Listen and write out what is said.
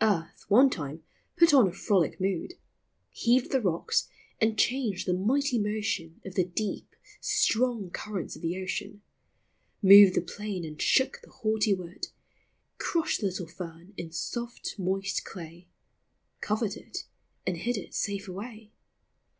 Earth, one time, put on a frolic mood, Heaved the rocks and changed the mighty motion Of the deep, strong currents of the ocean ; Moved the plain and shook the haughty wood, Crushed the little fern in soft moist clay, — Covered it, and hid it safe away.